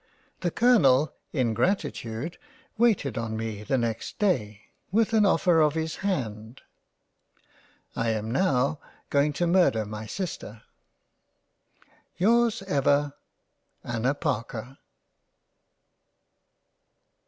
The Colonel in gratitude waited on me the next day with an offer of his hand —. I am now going to murder my Sister. Yours Ever, Anna Parker.